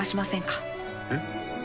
えっ？